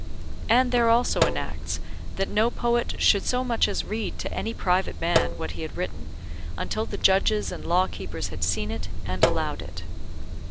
And there also enacts, that no poet should so much as read to any private man what he had written, until the judges and law keepers had seen it, and allowed it.